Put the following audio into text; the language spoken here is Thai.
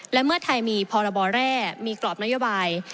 และเมื่อไทยมีพรบแร่มีกรอบนโยบาย